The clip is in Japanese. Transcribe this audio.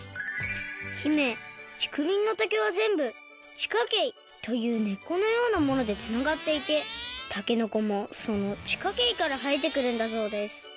姫ちくりんの竹は全部地下茎という根っこのようなものでつながっていてたけのこもその地下茎からはえてくるんだそうです